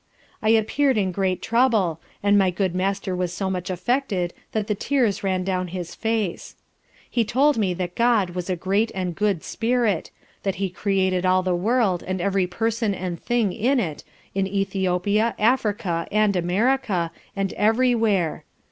I appeared in great trouble, and my good master was so much affected that the tears ran down his face. He told me that God was a Great and Good Spirit, that He created all the world, and every person and thing in it, in Ethiopia, Africa, and America, and every where.